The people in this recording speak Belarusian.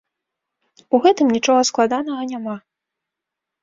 У гэтым нічога складанага няма.